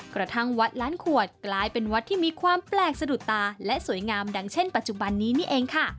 กระทั่งวัดล้านขวดกลายเป็นวัดที่มีความแปลกสะดุดตาและสวยงามดังเช่นปัจจุบันนี้นี่เองค่ะ